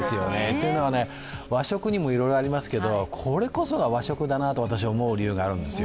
というのは、和食にもいろいろありますけど、これこそが和食だなと私が思う理由があるんですよ。